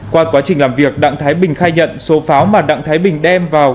qua quá trình làm việc đặng thái bình khai nhận số pháo mà đặng thái bình đem vào